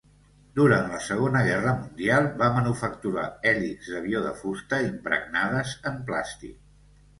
Durant la Segona Guerra Mundial va manufacturar hèlixs d'avió de fusta impregnades en plàstic.